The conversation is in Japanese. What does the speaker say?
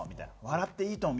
「『笑っていいとも！』